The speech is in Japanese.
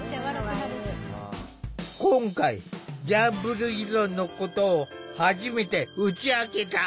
今回ギャンブル依存のことを初めて打ち明けた。